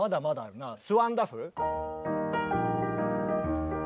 「ス・ワンダフル」。